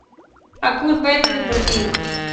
A culpa é do Deportivo.